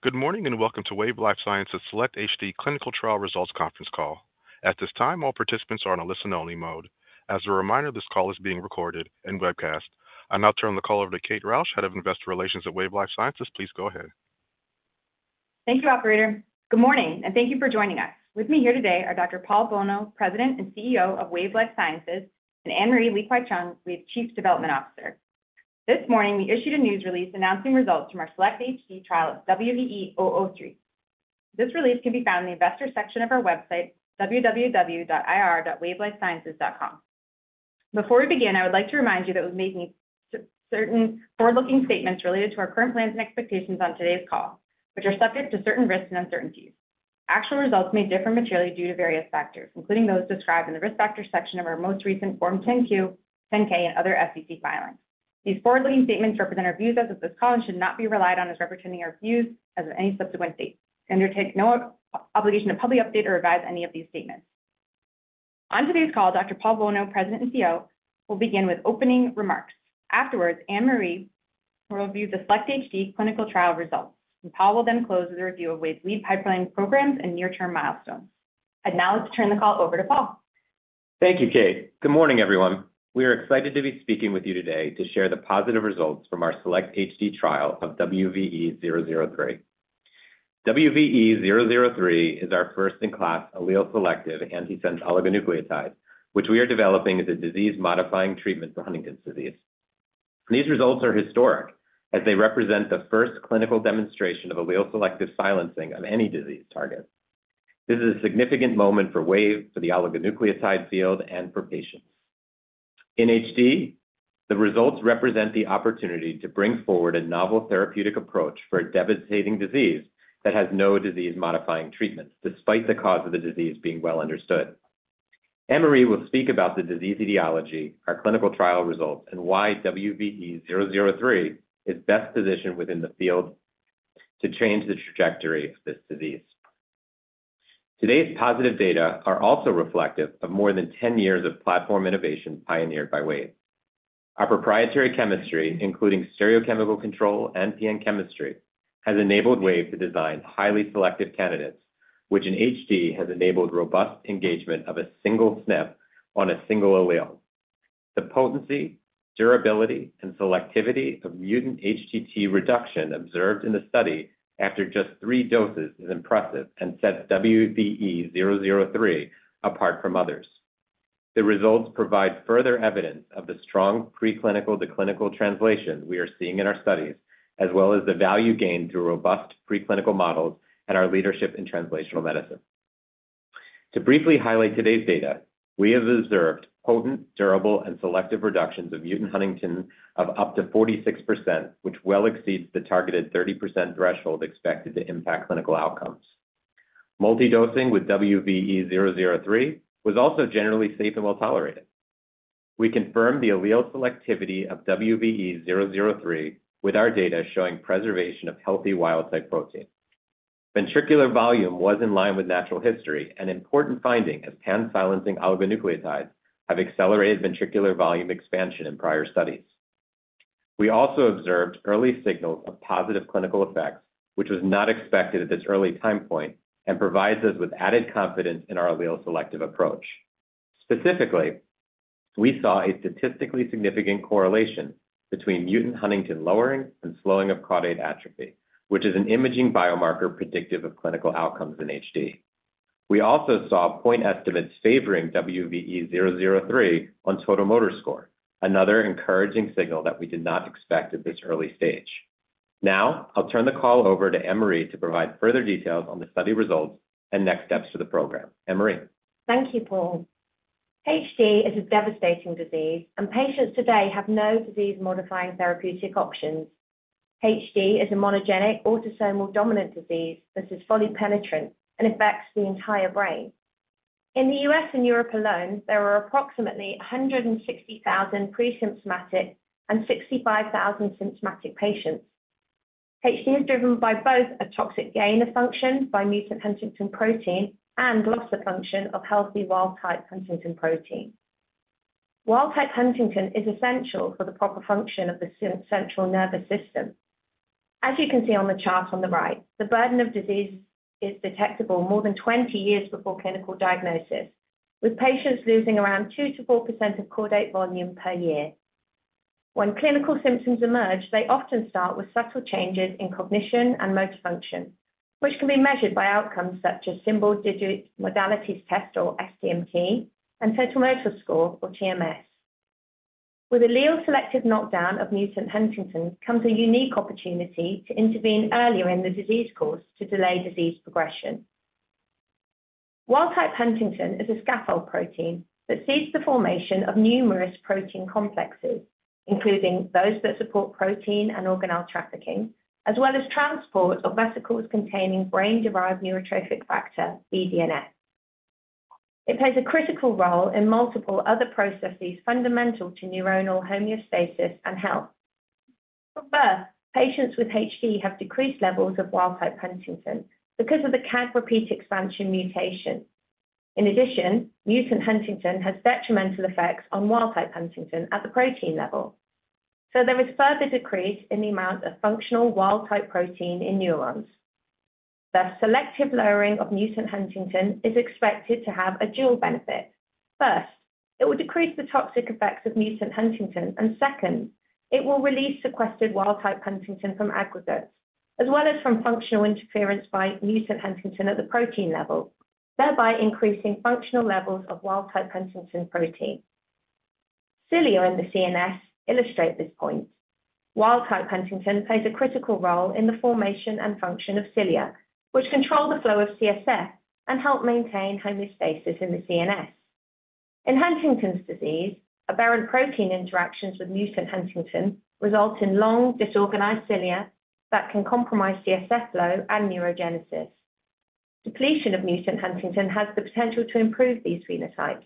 Good morning and welcome to Wave Life Sciences SELECT-HD Clinical Trial Results Conference Call. At this time, all participants are on a listen-only mode. As a reminder, this call is being recorded and webcast. I now turn the call over to Kate Rausch, Head of Investor Relations at Wave Life Sciences. Please go ahead. Thank you, Operator. Good morning, and thank you for joining us. With me here today are Dr. Paul Bolno, President and CEO of Wave Life Sciences, and Anne-Marie Li-Kwai-Cheung, Chief Development Officer. This morning, we issued a news release announcing results from our SELECT-HD trial of WVE-003. This release can be found in the Investor section of our website, www.ir.wavelifesciences.com. Before we begin, I would like to remind you that we make certain forward-looking statements related to our current plans and expectations on today's call, which are subject to certain risks and uncertainties. Actual results may differ materially due to various factors, including those described in the risk factor section of our most recent Form 10-Q, 10-K, and other SEC filings. These forward-looking statements represent our views as of this call and should not be relied on as representing our views as of any subsequent date. We take no obligation to publicly update or revise any of these statements. On today's call, Dr. Paul Bolno, President and CEO, will begin with opening remarks. Afterwards, Anne-Marie will review the SELECT-HD clinical trial results, and Paul will then close with a review of Wave's lead pipeline programs and near-term milestones. And now, let's turn the call over to Paul. Thank you, Kate. Good morning, everyone. We are excited to be speaking with you today to share the positive results from our SELECT-HD trial of WVE-003. WVE-003 is our first-in-class allele-selective antisense oligonucleotide, which we are developing as a disease-modifying treatment for huntingtin's disease. These results are historic, as they represent the first clinical demonstration of allele-selective silencing of any disease target. This is a significant moment for Wave, for the oligonucleotide field, and for patients. In HD, the results represent the opportunity to bring forward a novel therapeutic approach for a devastating disease that has no disease-modifying treatments, despite the cause of the disease being well understood. Anne-Marie will speak about the disease etiology, our clinical trial results, and why WVE-003 is best positioned within the field to change the trajectory of this disease. Today's positive data are also reflective of more than 10 years of platform innovation pioneered by Wave. Our proprietary chemistry, including stereochemical control and PN chemistry, has enabled Wave to design highly selective candidates, which in HD has enabled robust engagement of a single SNP on a single allele. The potency, durability, and selectivity of mutant HTT reduction observed in the study after just three doses is impressive and sets WVE-003 apart from others. The results provide further evidence of the strong preclinical-to-clinical translation we are seeing in our studies, as well as the value gained through robust preclinical models and our leadership in translational medicine. To briefly highlight today's data, we have observed potent, durable, and selective reductions of mutant huntingtin of up to 46%, which well exceeds the targeted 30% threshold expected to impact clinical outcomes. Multi-dosing with WVE-003 was also generally safe and well tolerated. We confirmed the allele selectivity of WVE-003 with our data showing preservation of healthy wild-type protein. Ventricular volume was in line with natural history, an important finding as pan-silencing oligonucleotides have accelerated ventricular volume expansion in prior studies. We also observed early signals of positive clinical effects, which was not expected at this early time point and provides us with added confidence in our allele-selective approach. Specifically, we saw a statistically significant correlation between mutant huntingtin lowering and slowing of caudate atrophy, which is an imaging biomarker predictive of clinical outcomes in HD. We also saw point estimates favoring WVE-003 on Total Motor Score, another encouraging signal that we did not expect at this early stage. Now, I'll turn the call over to Anne-Marie to provide further details on the study results and next steps for the program. Anne-Marie. Thank you, Paul. HD is a devastating disease, and patients today have no disease-modifying therapeutic options. HD is a monogenic autosomal dominant disease that is fully penetrant and affects the entire brain. In the U.S. and Europe alone, there are approximately 160,000 pre-symptomatic and 65,000 symptomatic patients. HD is driven by both a toxic gain of function by mutant huntingtin protein and loss of function of healthy wild-type huntingtin protein. Wild-type huntingtin is essential for the proper function of the central nervous system. As you can see on the chart on the right, the burden of disease is detectable more than 20 years before clinical diagnosis, with patients losing around 2%-4% of caudate volume per year. When clinical symptoms emerge, they often start with subtle changes in cognition and motor function, which can be measured by outcomes such as Symbol Digit Modalities Test or SDMT and Total Motor Score or TMS. With allele-selective knockdown of mutant huntingtin comes a unique opportunity to intervene earlier in the disease course to delay disease progression. Wild-type huntingtin is a scaffold protein that seeds the formation of numerous protein complexes, including those that support protein and organelle trafficking, as well as transport of vesicles containing brain-derived neurotrophic factor, BDNF. It plays a critical role in multiple other processes fundamental to neuronal homeostasis and health. From birth, patients with HD have decreased levels of wild-type huntingtin because of the CAG repeat expansion mutation. In addition, mutant huntingtin has detrimental effects on wild-type huntingtin at the protein level, so there is further decrease in the amount of functional wild-type protein in neurons. The selective lowering of mutant huntingtin is expected to have a dual benefit. First, it will decrease the toxic effects of mutant huntingtin, and second, it will release sequestered wild-type huntingtin from aggregates, as well as from functional interference by mutant huntingtoin at the protein level, thereby increasing functional levels of wild-type huntingtin protein. Cilia in the CNS illustrate this point. Wild-type huntingtin plays a critical role in the formation and function of cilia, which control the flow of CSF and help maintain homeostasis in the CNS. In huntingtin's disease, aberrant protein interactions with mutant huntingtin result in long disorganized cilia that can compromise CSF flow and neurogenesis. Depletion of mutant huntingtin has the potential to improve these phenotypes.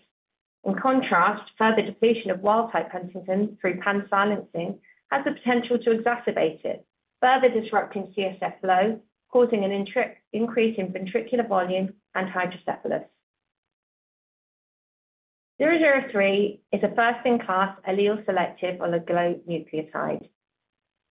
In contrast, further depletion of wild-type huntingtin through pan-silencing has the potential to exacerbate it, further disrupting CSF flow, causing an increase in ventricular volume and hydrocephalus. WVE-003 is a first-in-class allele-selective oligonucleotide.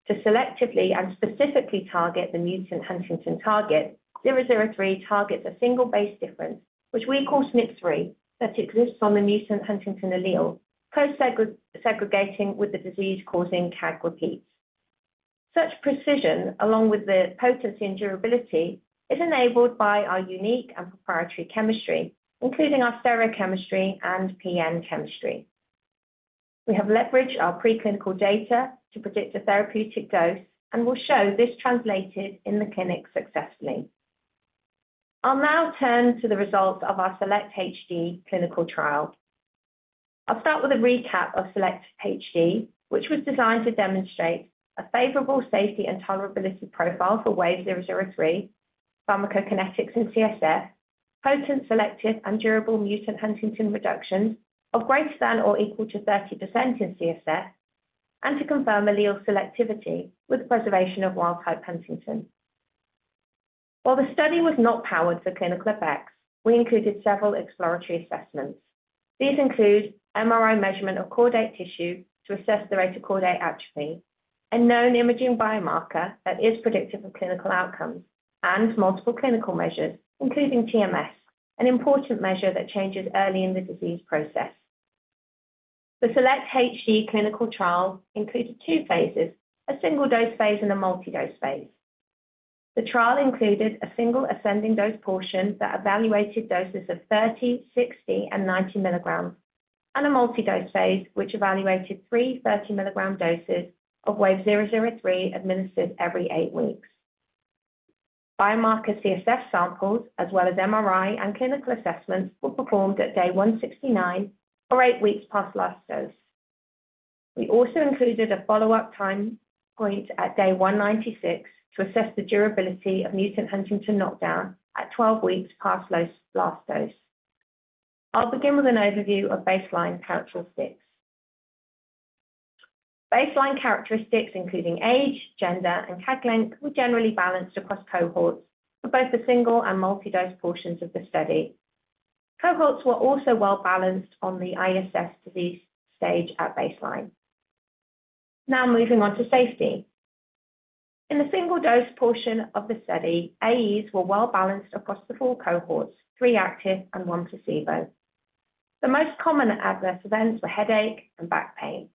To selectively and specifically target the mutant huntingtin target, WVE-003 targets a single base difference, which we call SNP3, that exists on the mutant huntingtin allele, co-segregating with the disease-causing CAG repeats. Such precision, along with the potency and durability, is enabled by our unique and proprietary chemistry, including our stereochemistry and PN chemistry. We have leveraged our preclinical data to predict a therapeutic dose and will show this translated in the clinic successfully. I'll now turn to the results of our SELECT-HD clinical trial. I'll start with a recap of SELECT-HD, which was designed to demonstrate a favorable safety and tolerability profile for WVE-003, pharmacokinetics in CSF, potent selective and durable mutant huntingtin reductions of greater than or equal to 30% in CSF, and to confirm allele selectivity with preservation of wild-type huntingtin. While the study was not powered for clinical effects, we included several exploratory assessments. These include MRI measurement of caudate tissue to assess the rate of caudate atrophy, a known imaging biomarker that is predictive of clinical outcomes, and multiple clinical measures, including TMS, an important measure that changes early in the disease process. The SELECT-HD clinical trial included two phases: a single-dose phase and a multi-dose phase. The trial included a single ascending dose portion that evaluated doses of 30, 60, and 90 milligrams, and a multi-dose phase which evaluated three 30-milligram doses of WVE-003 administered every 8 weeks. Biomarker CSF samples, as well as MRI and clinical assessments, were performed at day 169 or 8 weeks past last dose. We also included a follow-up time point at day 196 to assess the durability of mutant huntingtin knockdown at 12 weeks past last dose. I'll begin with an overview of baseline characteristics. Baseline characteristics, including age, gender, and CAG length, were generally balanced across cohorts for both the single and multi-dose portions of the study. Cohorts were also well balanced on the ISS disease stage at baseline. Now, moving on to safety. In the single-dose portion of the study, AEs were well balanced across the four cohorts, three active and one placebo. The most common adverse events were headache and back pain.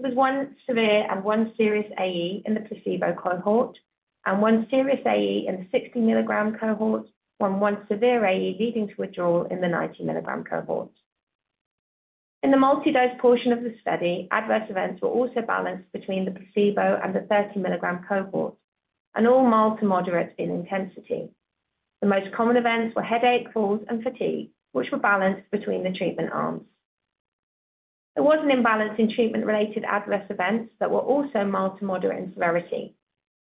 There was one severe and one serious AE in the placebo cohort, and one serious AE in the 60-milligram cohort, and one severe AE leading to withdrawal in the 90-milligram cohort. In the multi-dose portion of the study, adverse events were also balanced between the placebo and the 30-milligram cohort, and all mild to moderate in intensity. The most common events were headache, falls, and fatigue, which were balanced between the treatment arms. There was an imbalance in treatment-related adverse events that were also mild to moderate in severity.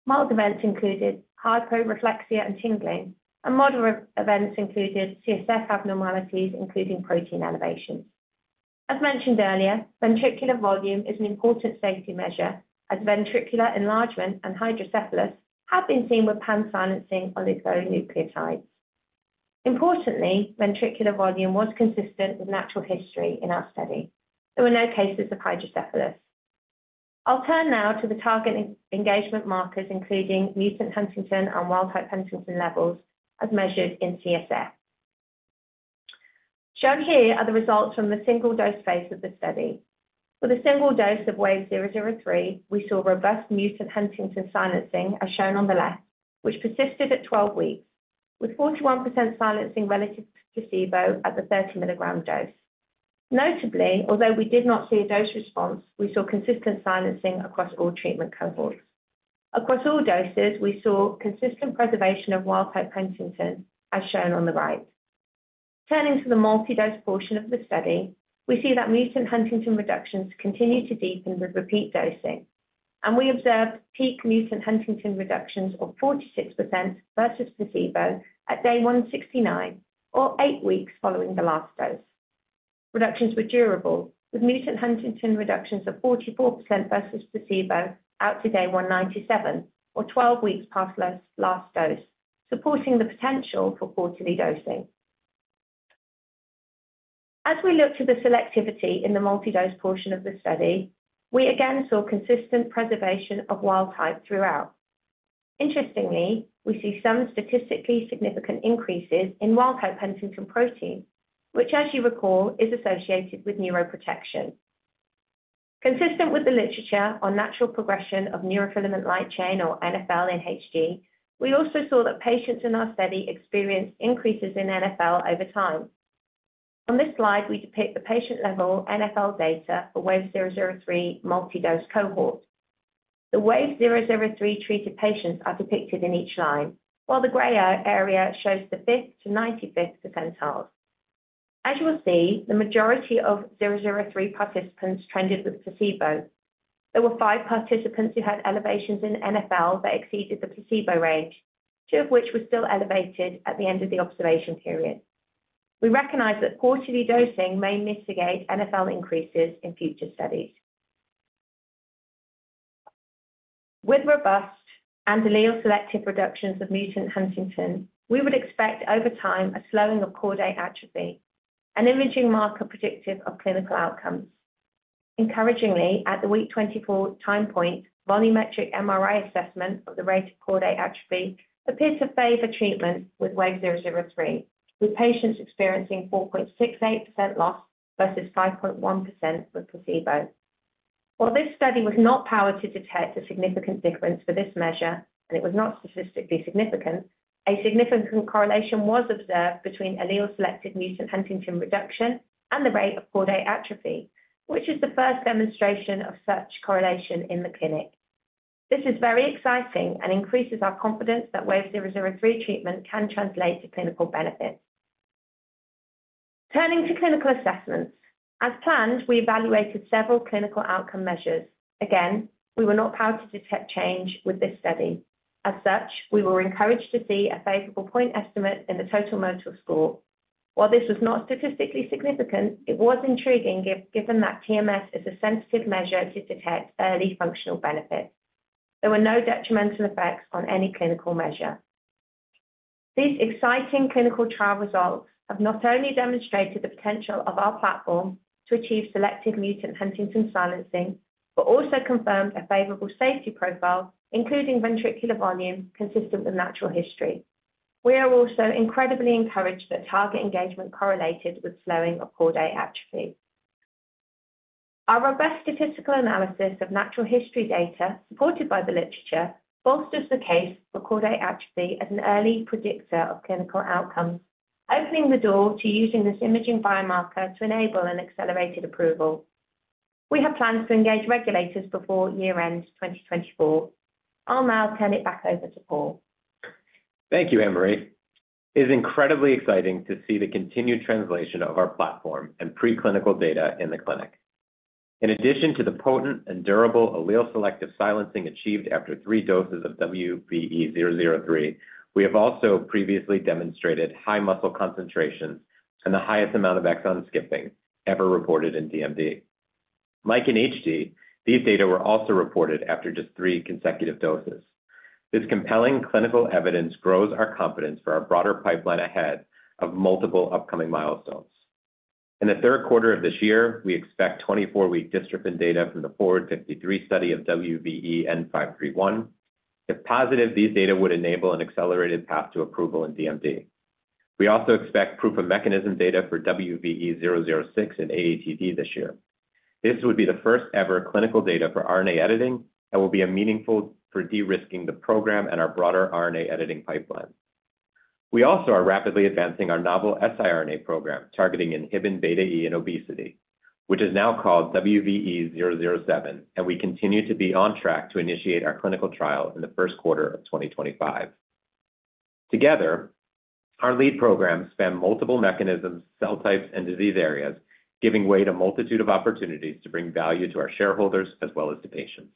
Mild events included hyporeflexia and tingling, and moderate events included CSF abnormalities, including protein elevations. As mentioned earlier, ventricular volume is an important safety measure, as ventricular enlargement and hydrocephalus have been seen with pan-silencing oligonucleotides. Importantly, ventricular volume was consistent with natural history in our study. There were no cases of hydrocephalus. I'll turn now to the target engagement markers, including mutant huntingtin and wild-type huntingtin levels, as measured in CSF. Shown here are the results from the single-dose phase of the study. With a single dose of WVE-003, we saw robust mutant huntingtin silencing, as shown on the left, which persisted at 12 weeks, with 41% silencing relative to placebo at the 30 mg dose. Notably, although we did not see a dose response, we saw consistent silencing across all treatment cohorts. Across all doses, we saw consistent preservation of wild-type huntingtin, as shown on the right. Turning to the multi-dose portion of the study, we see that mutant huntingtin reductions continue to deepen with repeat dosing, and we observed peak mutant huntingtin reductions of 46% versus placebo at day 169, or 8 weeks following the last dose. Reductions were durable, with mutant huntingtin reductions of 44% versus placebo out to day 197, or 12 weeks past last dose, supporting the potential for quarterly dosing. As we look to the selectivity in the multi-dose portion of the study, we again saw consistent preservation of wild-type throughout. Interestingly, we see some statistically significant increases in wild-type huntingtin protein, which, as you recall, is associated with neuroprotection. Consistent with the literature on natural progression of neurofilament light chain, or NfL, in HD, we also saw that patients in our study experienced increases in NfL over time. On this slide, we depict the patient-level NfL data for WVE-003 multi-dose cohort. The WVE-003 treated patients are depicted in each line, while the gray area shows the 5th to 95th percentiles. As you will see, the majority of WVE-003 participants trended with placebo. There were five participants who had elevations in NfL that exceeded the placebo range, two of which were still elevated at the end of the observation period. We recognize that quarterly dosing may mitigate NfL increases in future studies. With robust and allele-selective reductions of mutant huntingtin, we would expect over time a slowing of caudate atrophy, an imaging marker predictive of clinical outcomes. Encouragingly, at the week 24 time point, volumetric MRI assessment of the rate of caudate atrophy appeared to favor treatment with WVE-003, with patients experiencing 4.68% loss versus 5.1% with placebo. While this study was not powered to detect a significant difference for this measure, and it was not statistically significant, a significant correlation was observed between allele-selective mutant huntingtin reduction and the rate of caudate atrophy, which is the first demonstration of such correlation in the clinic. This is very exciting and increases our confidence that WVE-003 treatment can translate to clinical benefits. Turning to clinical assessments, as planned, we evaluated several clinical outcome measures. Again, we were not powered to detect change with this study. As such, we were encouraged to see a favorable point estimate in the total motor score. While this was not statistically significant, it was intriguing given that TMS is a sensitive measure to detect early functional benefits. There were no detrimental effects on any clinical measure. These exciting clinical trial results have not only demonstrated the potential of our platform to achieve selective mutant huntingtin silencing, but also confirmed a favorable safety profile, including ventricular volume consistent with natural history. We are also incredibly encouraged that target engagement correlated with slowing of caudate atrophy. Our robust statistical analysis of natural history data, supported by the literature, bolsters the case for caudate atrophy as an early predictor of clinical outcomes, opening the door to using this imaging biomarker to enable an accelerated approval. We have plans to engage regulators before year-end 2024. I'll now turn it back over to Paul. Thank you, Anne-Marie. It is incredibly exciting to see the continued translation of our platform and preclinical data in the clinic. In addition to the potent and durable allele-selective silencing achieved after 3 doses of WVE-003, we have also previously demonstrated high muscle concentrations and the highest amount of exon skipping ever reported in DMD. Like in HD, these data were also reported after just 3 consecutive doses. This compelling clinical evidence grows our confidence for our broader pipeline ahead of multiple upcoming milestones. In the third quarter of this year, we expect 24-week dystrophin data from the FORWARD-53 study of WVE-N531. If positive, these data would enable an accelerated path to approval in DMD. We also expect proof-of-mechanism data for WVE-006 in AATD this year. This would be the first-ever clinical data for RNA editing and will be meaningful for de-risking the program and our broader RNA editing pipeline. We also are rapidly advancing our novel siRNA program targeting inhibin beta E in obesity, which is now called WVE-007, and we continue to be on track to initiate our clinical trial in the first quarter of 2025. Together, our lead programs span multiple mechanisms, cell types, and disease areas, giving way to a multitude of opportunities to bring value to our shareholders as well as to patients.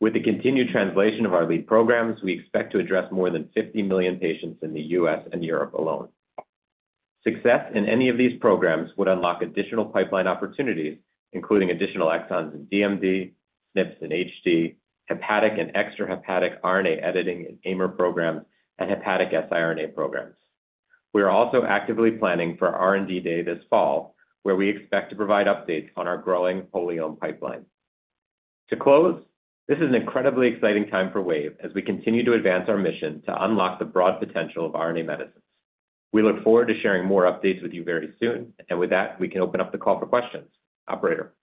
With the continued translation of our lead programs, we expect to address more than 50 million patients in the U.S. and Europe alone. Success in any of these programs would unlock additional pipeline opportunities, including additional exons in DMD, SNPs in HD, hepatic and extrahepatic RNA editing in AIMer programs, and hepatic siRNA programs. We are also actively planning for R&D Day this fall, where we expect to provide updates on our growing polysome pipeline. To close, this is an incredibly exciting time for Wave as we continue to advance our mission to unlock the broad potential of RNA medicines. We look forward to sharing more updates with you very soon, and with that, we can open up the call for questions. Operator.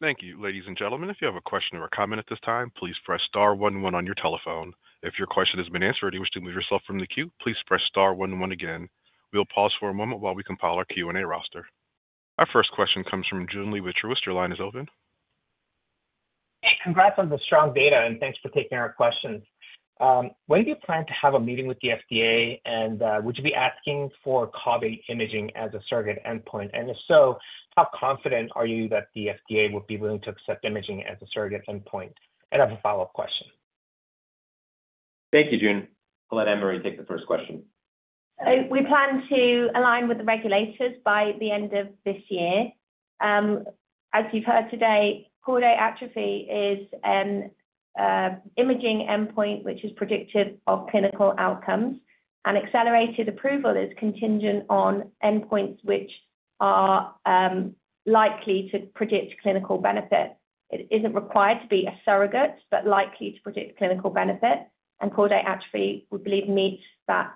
Thank you. Ladies and gentlemen, if you have a question or a comment at this time, please press star one one on your telephone. If your question has been answered or you wish to move yourself from the queue, please press star one one again. We'll pause for a moment while we compile our Q&A roster. Our first question comes from Joon Lee with Truist. Your line is open. Hey, congrats on the strong data, and thanks for taking our questions. When do you plan to have a meeting with the FDA, and would you be asking for caudate imaging as a surrogate endpoint? And if so, how confident are you that the FDA would be willing to accept imaging as a surrogate endpoint? And I have a follow-up question. Thank you, Joon. I'll let Anne-Marie take the first question. We plan to align with the regulators by the end of this year. As you've heard today, caudate atrophy is an imaging endpoint which is predictive of clinical outcomes, and accelerated approval is contingent on endpoints which are likely to predict clinical benefit. It isn't required to be a surrogate, but likely to predict clinical benefit, and caudate atrophy, we believe, meets that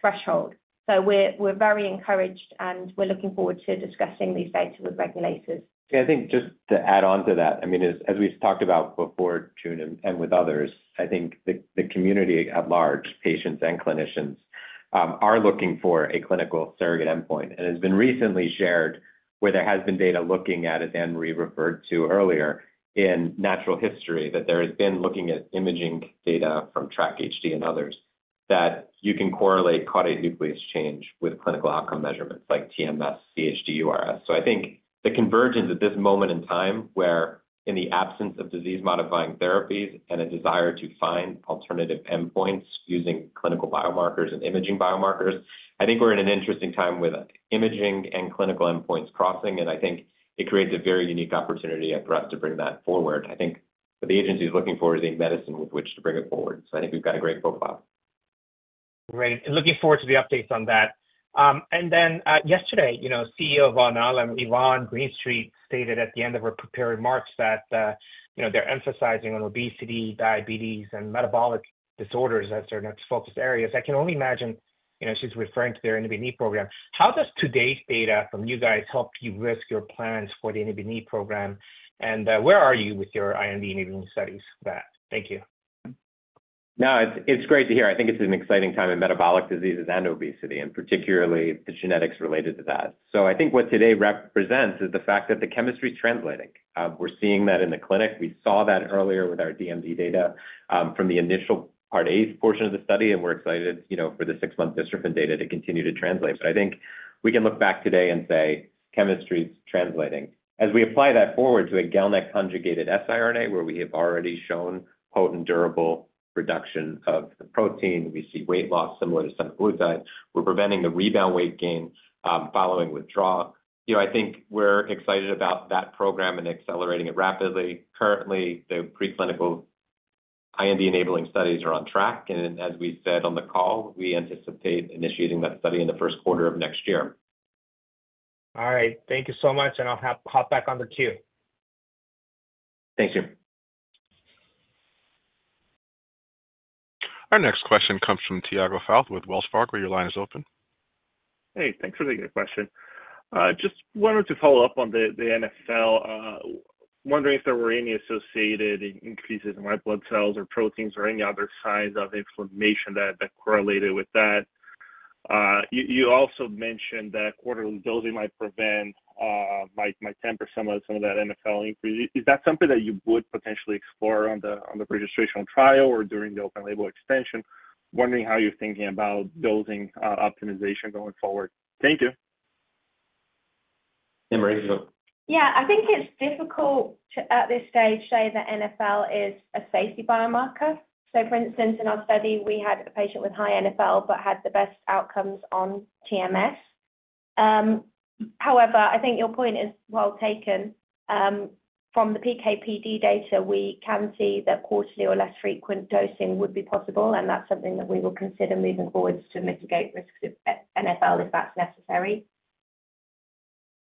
threshold. So we're very encouraged, and we're looking forward to discussing these data with regulators. Okay, I think just to add on to that, I mean, as we've talked about before, Joon, and with others, I think the community at large, patients and clinicians, are looking for a clinical surrogate endpoint. It has been recently shared where there has been data looking at, as Anne-Marie referred to earlier, in natural history that there has been looking at imaging data from TRACK-HD and others that you can correlate caudate nucleus change with clinical outcome measurements like TMS, UHDRS. So I think the convergence at this moment in time where, in the absence of disease-modifying therapies and a desire to find alternative endpoints using clinical biomarkers and imaging biomarkers, I think we're in an interesting time with imaging and clinical endpoints crossing, and I think it creates a very unique opportunity for us to bring that forward. I think what the agency is looking for is a medicine with which to bring it forward. So I think we've got a great profile. Great. And looking forward to the updates on that. And then yesterday, you know, CEO of Alnylam, Yvonne Greenstreet, stated at the end of her prepared remarks that they're emphasizing on obesity, diabetes, and metabolic disorders as their next focus areas. I can only imagine, you know, she's referring to their INHBE program. How does today's data from you guys help you risk your plans for the INHBE program? And where are you with your IND INHBE studies for that? Thank you. No, it's great to hear. I think it's an exciting time in metabolic diseases and obesity, and particularly the genetics related to that. So I think what today represents is the fact that the chemistry is translating. We're seeing that in the clinic. We saw that earlier with our DMD data from the initial part A portion of the study, and we're excited, you know, for the six-month dystrophin data to continue to translate. But I think we can look back today and say chemistry is translating. As we apply that forward to a GalNAc-conjugated siRNA, where we have already shown potent, durable reduction of the protein, we see weight loss similar to semaglutide. We're preventing the rebound weight gain following withdrawal. You know, I think we're excited about that program and accelerating it rapidly. Currently, the preclinical IND enabling studies are on track, and as we said on the call, we anticipate initiating that study in the first quarter of next year. All right. Thank you so much, and I'll hop back on the queue. Thanks, Joon. Our next question comes from Tiago Fauth with Wells Fargo. Your line is open. Hey, thanks for the question. Just wanted to follow up on the NfL. Wondering if there were any associated increases in white blood cells or proteins or any other signs of inflammation that correlated with that. You also mentioned that quarterly dosing might prevent, might temper some of that NfL increase. Is that something that you would potentially explore on the registration trial or during the open label extension? Wondering how you're thinking about dosing optimization going forward. Thank you. Anne-Marie, you go. Yeah, I think it's difficult at this stage to say that NfL is a safety biomarker. So, for instance, in our study, we had a patient with high NfL but had the best outcomes on TMS. However, I think your point is well taken. From the PKPD data, we can see that quarterly or less frequent dosing would be possible, and that's something that we will consider moving forward to mitigate risks of NfL if that's necessary.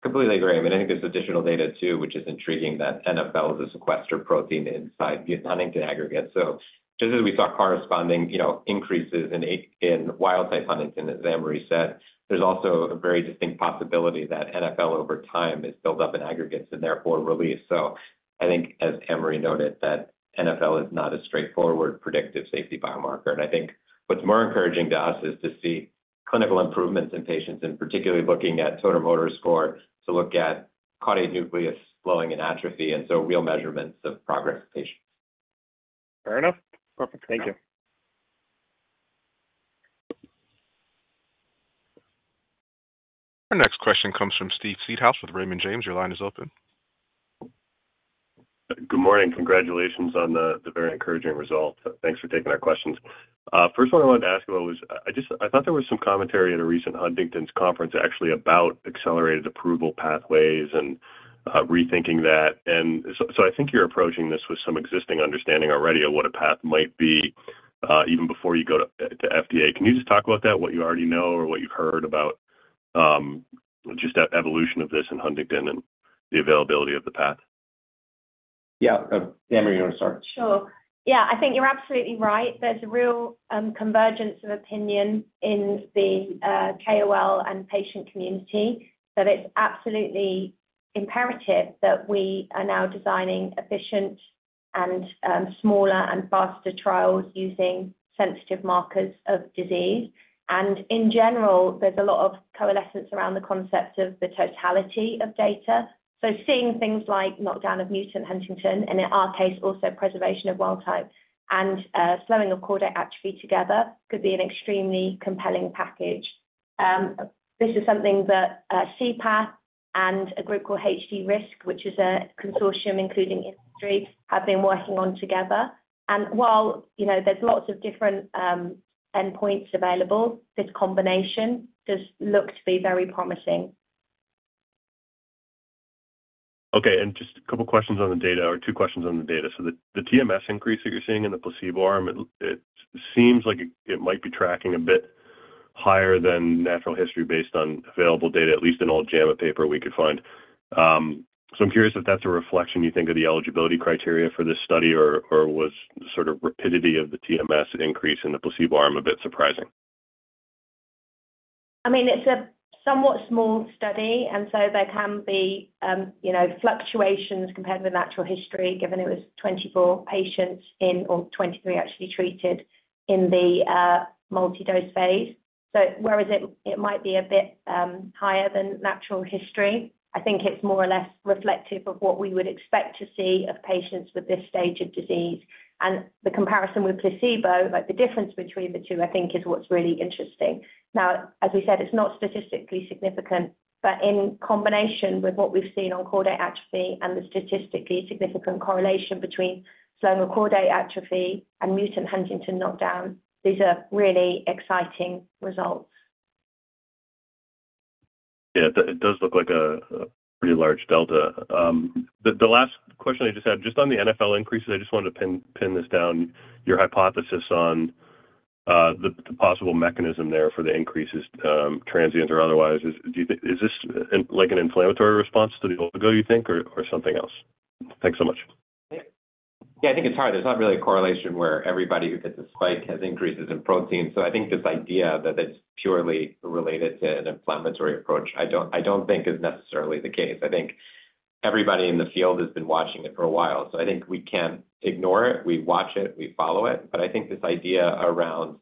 Completely agree. I mean, I think there's additional data too, which is intriguing, that NfL is a sequester protein inside huntingtin aggregates. So just as we saw corresponding, you know, increases in wild-type huntingtin, as Anne-Marie said, there's also a very distinct possibility that NfL over time is built up in aggregates and therefore released. So I think, as Anne-Marie noted, that NfL is not a straightforward predictive safety biomarker. And I think what's more encouraging to us is to see clinical improvements in patients, and particularly looking at total motor score to look at caudate nucleus slowing and atrophy, and so real measurements of progress in patients. Fair enough. Perfect. Thank you. Our next question comes from Steve Seedhouse with Raymond James. Your line is open. Good morning. Congratulations on the very encouraging result. Thanks for taking our questions. First one I wanted to ask you about was, I just thought there was some commentary at a recent huntingtin’s conference, actually, about accelerated approval pathways and rethinking that. And so I think you're approaching this with some existing understanding already of what a path might be, even before you go to FDA. Can you just talk about that, what you already know or what you've heard about just that evolution of this in huntingtin and the availability of the path? Yeah. Anne-Marie, you want to start? Sure. Yeah, I think you're absolutely right. There's a real convergence of opinion in the KOL and patient community that it's absolutely imperative that we are now designing efficient and smaller and faster trials using sensitive markers of disease. And in general, there's a lot of coalescence around the concept of the totality of data. So seeing things like knockdown of mutant huntingtin, and in our case, also preservation of wild-type and slowing of caudate atrophy together could be an extremely compelling package. This is something that C-Path and a group called HD Risk, which is a consortium including industry, have been working on together. And while, you know, there's lots of different endpoints available, this combination does look to be very promising. Okay. And just a couple of questions on the data, or two questions on the data. So the TMS increase that you're seeing in the placebo arm, it seems like it might be tracking a bit higher than natural history based on available data, at least in all JAMA paper we could find. I'm curious if that's a reflection, you think, of the eligibility criteria for this study, or was the sort of rapidity of the TMS increase in the placebo arm a bit surprising? I mean, it's a somewhat small study, and so there can be, you know, fluctuations compared with natural history, given it was 24 patients in, or 23 actually treated in the multidose phase. Whereas it might be a bit higher than natural history, I think it's more or less reflective of what we would expect to see of patients with this stage of disease. The comparison with placebo, like the difference between the two, I think, is what's really interesting. Now, as we said, it's not statistically significant, but in combination with what we've seen on caudate atrophy and the statistically significant correlation between slowing of caudate atrophy and mutant huntingtin knockdown, these are really exciting results. Yeah, it does look like a pretty large delta. The last question I just had, just on the NfL increases, I just wanted to pin this down, your hypothesis on the possible mechanism there for the increases, transient or otherwise, is this like an inflammatory response to the oligo, you think, or something else? Thanks so much. Yeah, I think it's hard. There's not really a correlation where everybody who gets a spike has increases in protein. So I think this idea that it's purely related to an inflammatory approach, I don't think is necessarily the case. I think everybody in the field has been watching it for a while. So I think we can't ignore it. We watch it. We follow it. But I think this idea around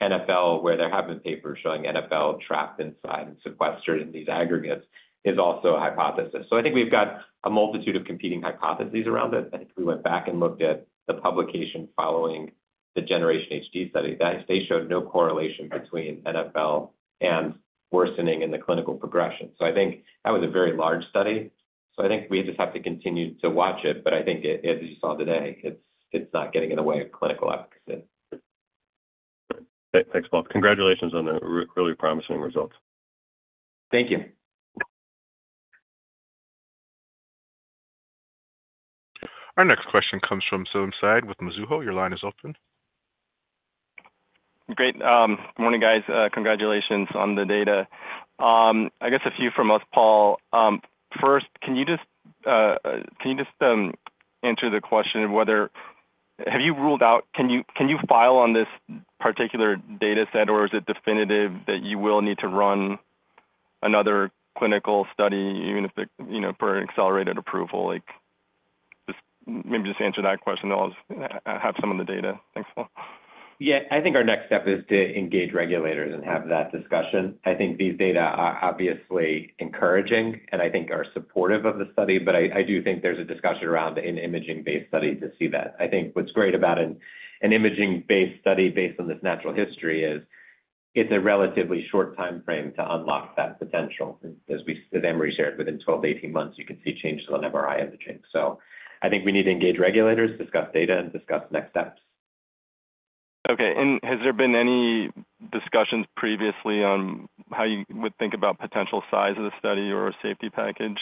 NfL, where there have been papers showing NfL trapped inside and sequestered in these aggregates, is also a hypothesis. So I think we've got a multitude of competing hypotheses around it. I think we went back and looked at the publication following the Generation HD study. They showed no correlation between NfL and worsening in the clinical progression. So I think that was a very large study. So I think we just have to continue to watch it, but I think, as you saw today, it's not getting in the way of clinical efficacy. Thanks, Paul. Congratulations on the really promising results. Thank you. Our next question comes from Somnath with Mizuho. Your line is open. Great. Good morning, guys. Congratulations on the data. I guess a few from us, Paul. First, can you just answer the question of whether have you ruled out, can you file on this particular data set, or is it definitive that you will need to run another clinical study, even if, you know, for an accelerated approval? Like, just maybe just answer that question while I have some of the data. Thanks, Paul. Yeah, I think our next step is to engage regulators and have that discussion. I think these data are obviously encouraging, and I think are supportive of the study, but I do think there's a discussion around an imaging-based study to see that. I think what's great about an imaging-based study based on this natural history is it's a relatively short time frame to unlock that potential. As Anne-Marie shared, within 12 to 18 months, you can see changes on MRI imaging. So I think we need to engage regulators, discuss data, and discuss next steps. Okay. And has there been any discussions previously on how you would think about potential size of the study or a safety package?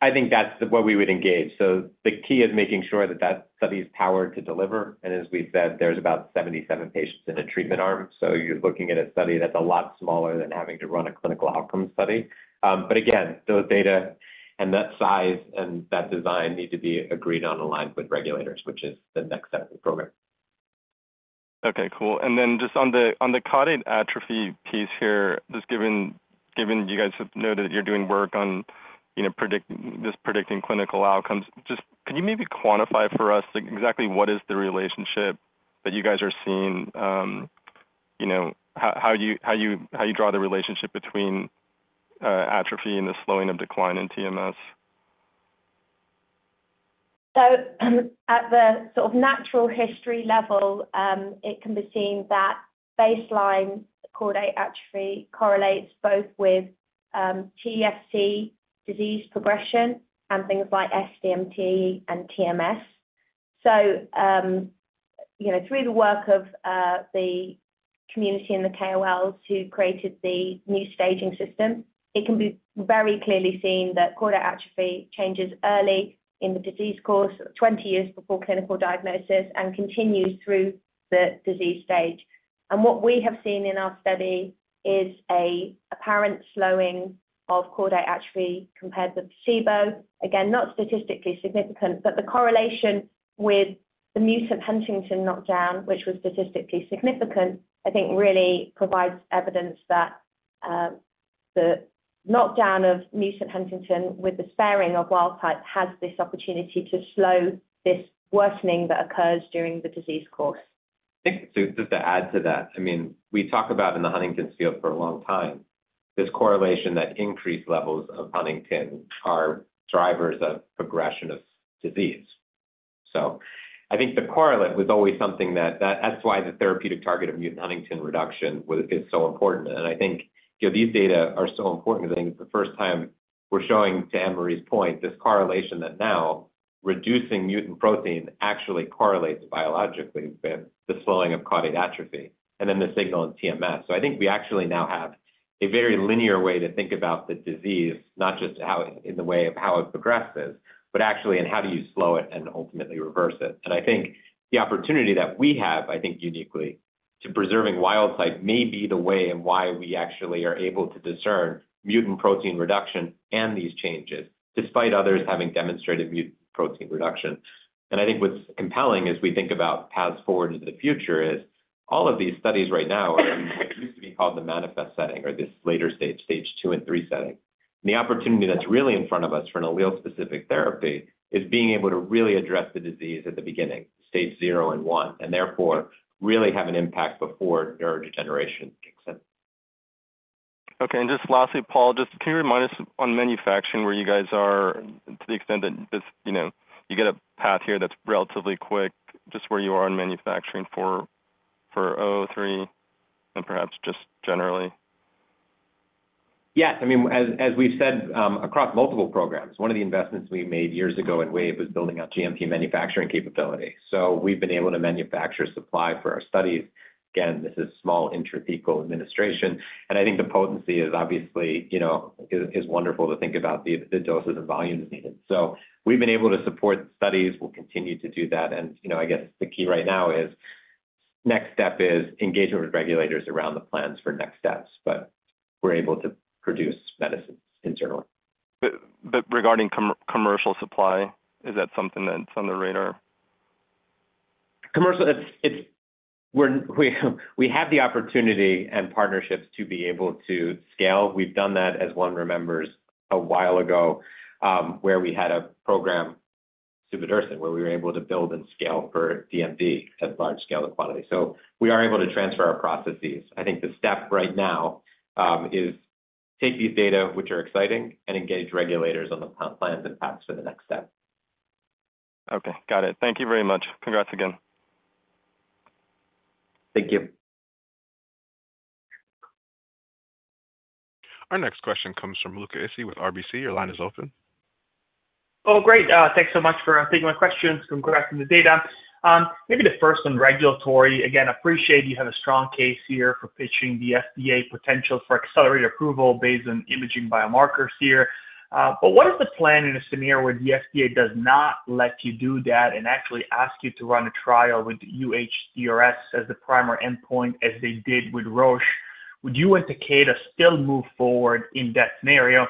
I think that's what we would engage. So the key is making sure that that study is powered to deliver. And as we've said, there's about 77 patients in a treatment arm. So you're looking at a study that's a lot smaller than having to run a clinical outcome study. But again, those data and that size and that design need to be agreed on, aligned with regulators, which is the next step of the program. Okay, cool. And then just on the caudate atrophy piece here, just given you guys have noted that you're doing work on, you know, this predicting clinical outcomes, just could you maybe quantify for us exactly what is the relationship that you guys are seeing, you know, how you draw the relationship between atrophy and the slowing of decline in TMS? So at the sort of natural history level, it can be seen that baseline caudate atrophy correlates both with TFC disease progression and things like SDMT and TMS. So, you know, through the work of the community and the KOLs who created the new staging system, it can be very clearly seen that caudate atrophy changes early in the disease course, 20 years before clinical diagnosis, and continues through the disease stage. And what we have seen in our study is an apparent slowing of caudate atrophy compared with placebo. Again, not statistically significant, but the correlation with the mutant huntingtin knockdown, which was statistically significant, I think really provides evidence that the knockdown of mutant huntingtin with the sparing of wild-type has this opportunity to slow this worsening that occurs during the disease course. I think just to add to that, I mean, we talk about in the huntingtin’s field for a long time, this correlation that increased levels of huntingtin are drivers of progression of disease. So I think the correlate was always something that that’s why the therapeutic target of mutant huntingtin reduction is so important. And I think, you know, these data are so important because I think it’s the first time we’re showing, to Anne-Marie’s point, this correlation that now reducing mutant protein actually correlates biologically with the slowing of caudate atrophy and then the signal in TMS. I think we actually now have a very linear way to think about the disease, not just in the way of how it progresses, but actually in how do you slow it and ultimately reverse it. I think the opportunity that we have, I think uniquely, to preserving wild-type may be the way and why we actually are able to discern mutant protein reduction and these changes, despite others having demonstrated mutant protein reduction. I think what's compelling as we think about paths forward into the future is all of these studies right now are in what used to be called the manifest setting or this later stage, stage 2 and 3 setting. And the opportunity that's really in front of us for an allele-specific therapy is being able to really address the disease at the beginning, stage zero and one, and therefore really have an impact before neurodegeneration kicks in. Okay. And just lastly, Paul, just can you remind us on manufacturing where you guys are, to the extent that, you know, you get a path here that's relatively quick, just where you are in manufacturing for O3 and perhaps just generally? Yes. I mean, as we've said across multiple programs, one of the investments we made years ago in Wave was building out GMP manufacturing capability. So we've been able to manufacture supply for our studies. Again, this is small intrathecal administration. And I think the potency is obviously, you know, is wonderful to think about the doses and volumes needed. So we've been able to support studies. We'll continue to do that. And, you know, I guess the key right now is next step is engagement with regulators around the plans for next steps, but we're able to produce medicines internally. But regarding commercial supply, is that something that's on the radar? Commercial, it's we have the opportunity and partnerships to be able to scale. We've done that, as one remembers, a while ago where we had a program, suvodirsen, where we were able to build and scale for DMD at large scale and quantity. So we are able to transfer our processes. I think the step right now is take these data, which are exciting, and engage regulators on the plans and paths for the next step. Okay. Got it. Thank you very much. Congrats again. Thank you. Our next question comes from Luca Issi with RBC. Your line is open. Oh, great. Thanks so much for taking my questions. Congrats on the data. Maybe the first one, regulatory. Again, appreciate you have a strong case here for pitching the FDA potential for accelerated approval based on imaging biomarkers here. But what is the plan in a scenario where the FDA does not let you do that and actually asks you to run a trial with UHDRS as the primary endpoint, as they did with Roche? Would you and Takeda still move forward in that scenario?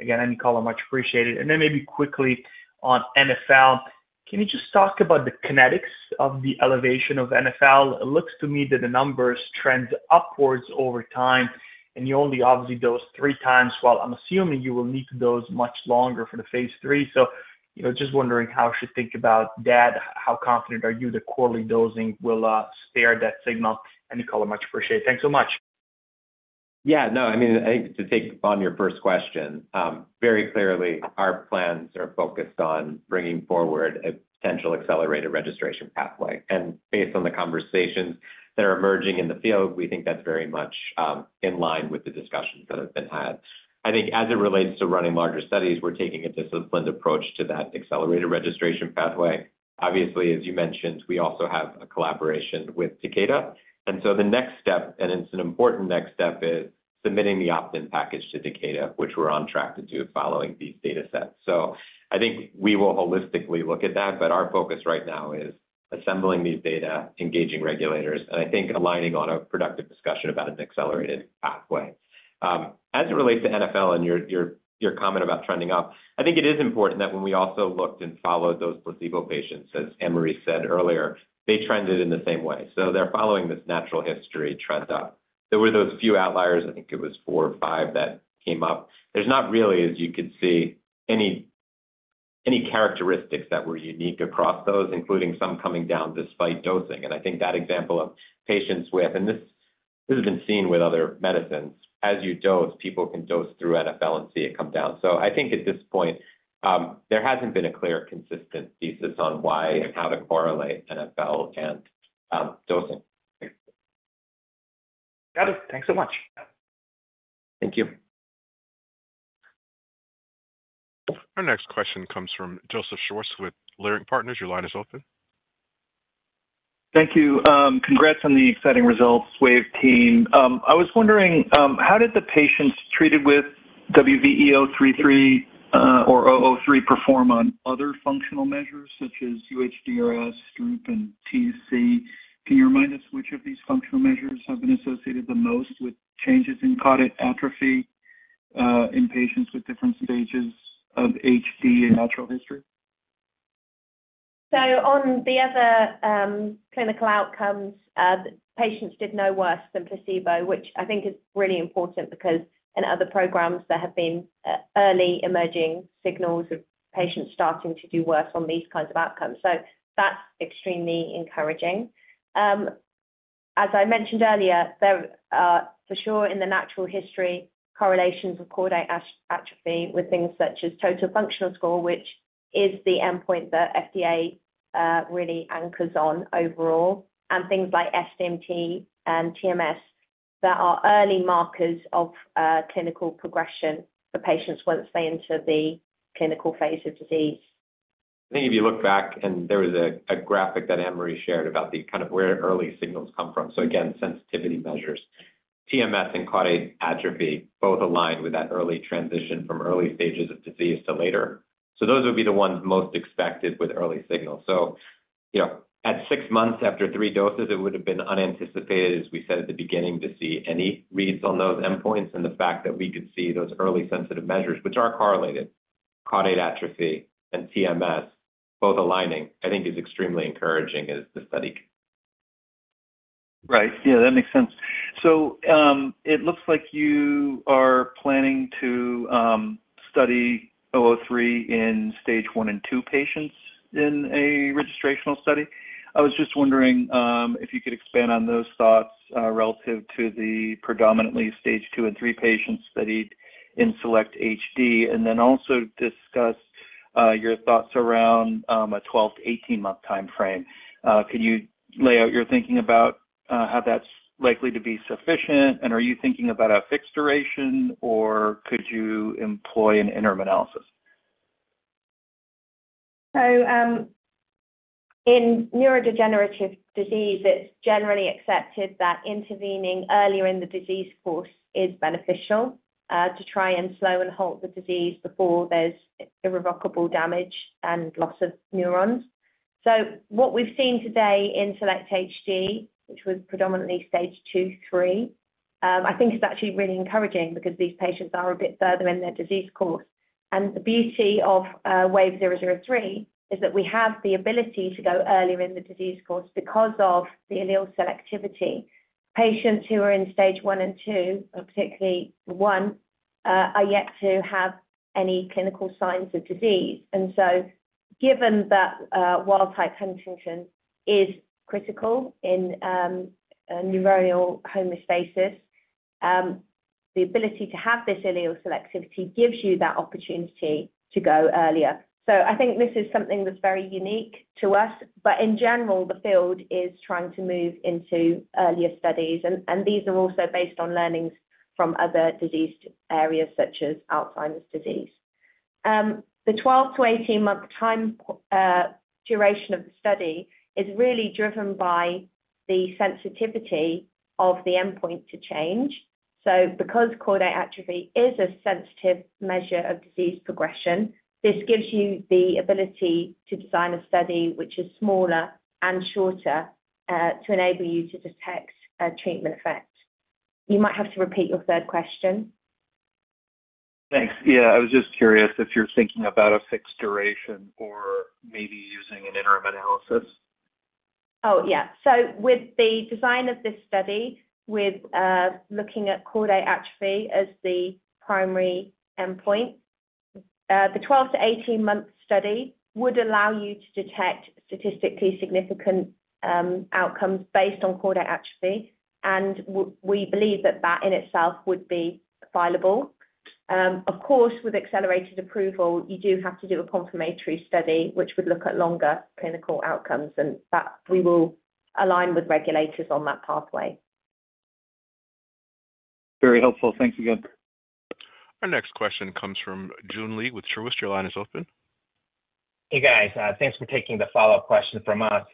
Again, any comment? Much appreciated. And then maybe quickly on NfL, can you just talk about the kinetics of the elevation of NfL? It looks to me that the numbers trend upwards over time, and you only obviously dose 3 times, while I'm assuming you will need to dose much longer for the phase 3. So, you know, just wondering how should you think about that? How confident are you that quarterly dosing will spare that signal? Any comment? Much appreciated. Thanks so much. Yeah. No, I mean, I think to take on your first question, very clearly, our plans are focused on bringing forward a potential accelerated registration pathway. And based on the conversations that are emerging in the field, we think that's very much in line with the discussions that have been had. I think as it relates to running larger studies, we're taking a disciplined approach to that accelerated registration pathway. Obviously, as you mentioned, we also have a collaboration with Takeda. And so the next step, and it's an important next step, is submitting the opt-in package to Takeda, which we're on track to do following these data sets. So I think we will holistically look at that, but our focus right now is assembling these data, engaging regulators, and I think aligning on a productive discussion about an accelerated pathway. As it relates to NfL and your comment about trending up, I think it is important that when we also looked and followed those placebo patients, as Anne-Marie said earlier, they trended in the same way. So they're following this natural history trend up. There were those few outliers, I think it was four or five, that came up. There's not really, as you could see, any characteristics that were unique across those, including some coming down despite dosing. And I think that example of patients with, and this has been seen with other medicines, as you dose, people can dose through NfL and see it come down. So I think at this point, there hasn't been a clear, consistent thesis on why and how to correlate NfL and dosing. Got it. Thanks so much. Thank you. Our next question comes from Joseph Schwartz with Leerink Partners. Your line is open. Thank you. Congrats on the exciting results, Wave team. I was wondering, how did the patients treated with WVE-003 or 003 perform on other functional measures such as UHDRS, cUHDRS, and TFC? Can you remind us which of these functional measures have been associated the most with changes in caudate atrophy in patients with different stages of HD in natural history? So on the other clinical outcomes, patients did no worse than placebo, which I think is really important because in other programs, there have been early emerging signals of patients starting to do worse on these kinds of outcomes. So that's extremely encouraging. As I mentioned earlier, there are for sure in the natural history correlations of caudate atrophy with things such as total functional score, which is the endpoint that FDA really anchors on overall, and things like SDMT and TMS that are early markers of clinical progression for patients once they enter the clinical phase of disease. I think if you look back, and there was a graphic that Anne-Marie shared about the kind of where early signals come from. So again, sensitivity measures, TMS and caudate atrophy both align with that early transition from early stages of disease to later. So those would be the ones most expected with early signals. So, you know, at 6 months after 3 doses, it would have been unanticipated, as we said at the beginning, to see any reads on those endpoints. And the fact that we could see those early sensitive measures, which are correlated, caudate atrophy and TMS, both aligning, I think is extremely encouraging as the study. Right. Yeah, that makes sense. So it looks like you are planning to study WVE-003 in stage one and two patients in a registrational study. I was just wondering if you could expand on those thoughts relative to the predominantly stage two and three patients studied in SELECT-HD, and then also discuss your thoughts around a 12-18-month time frame. Can you lay out your thinking about how that's likely to be sufficient? And are you thinking about a fixed duration, or could you employ an interim analysis? So in neurodegenerative disease, it's generally accepted that intervening earlier in the disease course is beneficial to try and slow and halt the disease before there's irrevocable damage and loss of neurons. So what we've seen today in SELECT-HD, which was predominantly stage two, three, I think is actually really encouraging because these patients are a bit further in their disease course. The beauty of WVE-003 is that we have the ability to go earlier in the disease course because of the allele selectivity. Patients who are in stage one and two, particularly one, are yet to have any clinical signs of disease. So given that wild-type huntingtin is critical in neuronal homeostasis, the ability to have this allele selectivity gives you that opportunity to go earlier. So I think this is something that's very unique to us, but in general, the field is trying to move into earlier studies. These are also based on learnings from other disease areas such as Alzheimer's disease. The 12- to 18-month time duration of the study is really driven by the sensitivity of the endpoint to change. So because caudate atrophy is a sensitive measure of disease progression, this gives you the ability to design a study which is smaller and shorter to enable you to detect a treatment effect. You might have to repeat your third question. Thanks. Yeah. I was just curious if you're thinking about a fixed duration or maybe using an interim analysis. Oh, yeah. So with the design of this study, with looking at caudate atrophy as the primary endpoint, the 12- to 18-month study would allow you to detect statistically significant outcomes based on caudate atrophy. And we believe that that in itself would be viable. Of course, with accelerated approval, you do have to do a confirmatory study, which would look at longer clinical outcomes, and that we will align with regulators on that pathway. Very helpful. Thanks again. Our next question comes from Joon Lee with Truist. Your line is open. Hey, guys. Thanks for taking the follow-up question from us.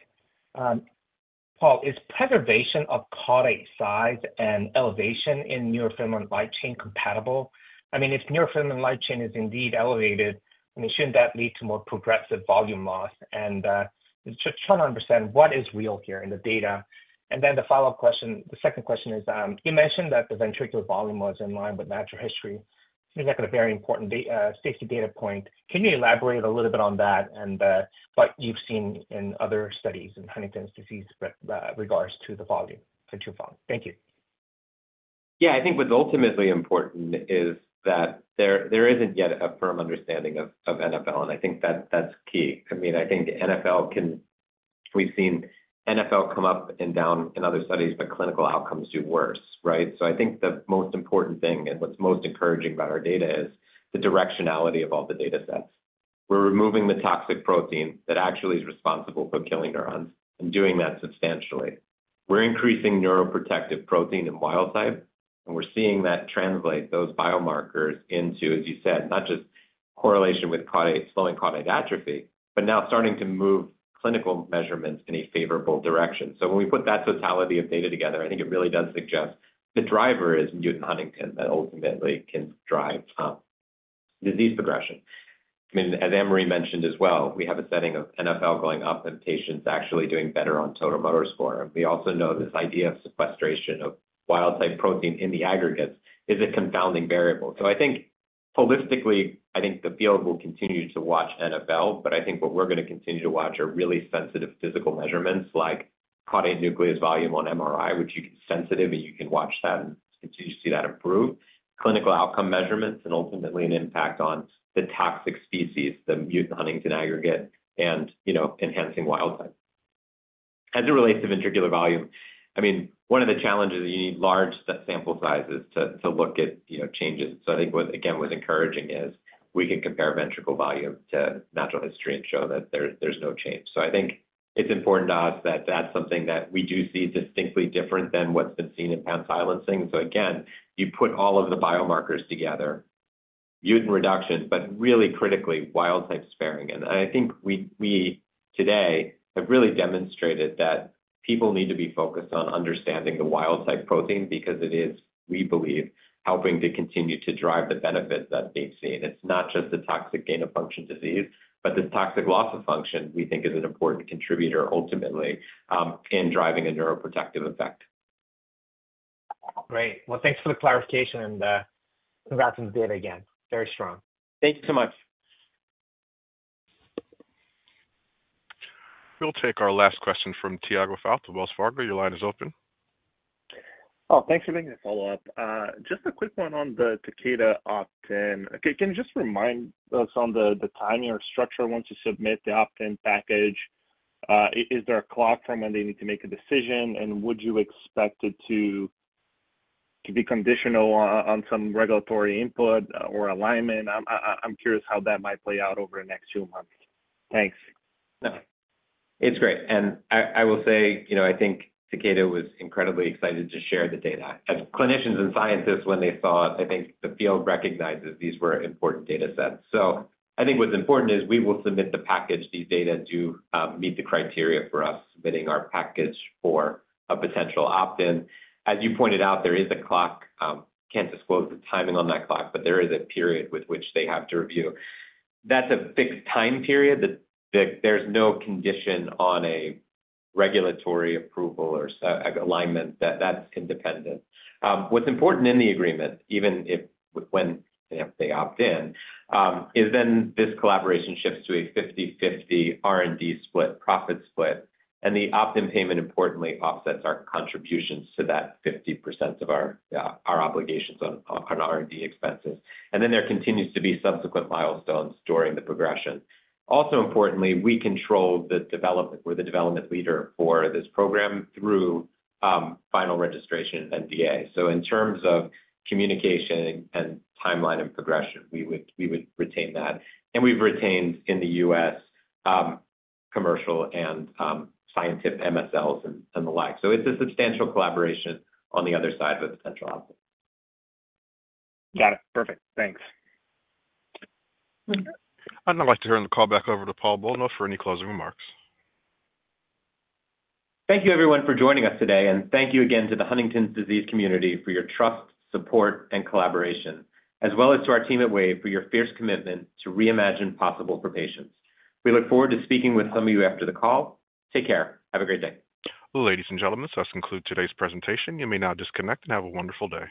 Paul, is preservation of caudate size and elevation in neurofilament light chain compatible? I mean, if neurofilament light chain is indeed elevated, I mean, shouldn't that lead to more progressive volume loss? And just trying to understand what is real here in the data. And then the follow-up question, the second question is, you mentioned that the ventricular volume was in line with natural history. Seems like a very important safety data point. Can you elaborate a little bit on that and what you've seen in other studies in huntingtin’s disease with regards to the volume for too far? Thank you. Yeah. I think what's ultimately important is that there isn't yet a firm understanding of NfL, and I think that that's key. I mean, I think NfL can, we've seen NfL come up and down in other studies, but clinical outcomes do worse, right? So I think the most important thing and what's most encouraging about our data is the directionality of all the data sets. We're removing the toxic protein that actually is responsible for killing neurons and doing that substantially. We're increasing neuroprotective protein in wild type, and we're seeing that translate those biomarkers into, as you said, not just correlation with slowing caudate atrophy, but now starting to move clinical measurements in a favorable direction. So when we put that totality of data together, I think it really does suggest the driver is mutant huntingtin that ultimately can drive disease progression. I mean, as Anne-Marie mentioned as well, we have a setting of NfL going up and patients actually doing better on Total Motor Score. And we also know this idea of sequestration of wild-type protein in the aggregates is a confounding variable. So I think holistically, I think the field will continue to watch NfL, but I think what we're going to continue to watch are really sensitive physical measurements like caudate nucleus volume on MRI, which is sensitive, and you can watch that and continue to see that improve. Clinical outcome measurements and ultimately an impact on the toxic species, the mutant huntingtin aggregate, and, you know, enhancing wild-type. As it relates to ventricular volume, I mean, one of the challenges is you need large sample sizes to look at, you know, changes. So I think what, again, was encouraging is we can compare ventricular volume to natural history and show that there's no change. So I think it's important to us that that's something that we do see distinctly different than what's been seen in pan-silencing. So again, you put all of the biomarkers together, mutant reduction, but really critically, wild-type sparing. And I think we today have really demonstrated that people need to be focused on understanding the wild-type protein because it is, we believe, helping to continue to drive the benefits that they've seen. It's not just the toxic gain of function disease, but the toxic loss of function, we think, is an important contributor ultimately in driving a neuroprotective effect. Great. Well, thanks for the clarification and congrats on the data again. Very strong. Thank you so much. We'll take our last question from Tiago Fauth, Wells Fargo. Your line is open. Oh, thanks for making the follow-up. Just a quick one on the Takeda opt-in. Okay. Can you just remind us on the timing or structure once you submit the opt-in package? Is there a clock from when they need to make a decision? And would you expect it to be conditional on some regulatory input or alignment? I'm curious how that might play out over the next few months. Thanks. No. It's great. And I will say, you know, I think Takeda was incredibly excited to share the data. As clinicians and scientists, when they saw it, I think the field recognizes these were important data sets. So I think what's important is we will submit the package. These data do meet the criteria for us submitting our package for a potential opt-in. As you pointed out, there is a clock. Can't disclose the timing on that clock, but there is a period with which they have to review. That's a fixed time period. There's no condition on a regulatory approval or alignment that that's independent. What's important in the agreement, even if when they opt-in, is then this collaboration shifts to a 50/50 R&D split, profit split, and the opt-in payment importantly offsets our contributions to that 50% of our obligations on R&D expenses. And then there continues to be subsequent milestones during the progression. Also importantly, we control the development. We're the development leader for this program through final registration and NDA. So in terms of communication and timeline and progression, we would retain that. We've retained in the U.S. commercial and scientific MSLs and the like. So it's a substantial collaboration on the other side of a potential opt-in. Got it. Perfect. Thanks. I'd now like to turn the call back over to Paul Bolno for any closing remarks. Thank you, everyone, for joining us today. And thank you again to the huntingtin's Disease Community for your trust, support, and collaboration, as well as to our team at Wave for your fierce commitment to reimagine possible for patients. We look forward to speaking with some of you after the call. Take care. Have a great day. Ladies and gentlemen, so that concludes today's presentation. You may now disconnect and have a wonderful day.